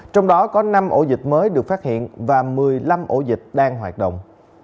trong đó có năm ổ dịch mới được phát hiện và một mươi năm ổ dịch đang hoạt động